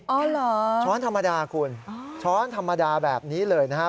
อ๋อเหรอช้อนธรรมดาคุณช้อนธรรมดาแบบนี้เลยนะครับ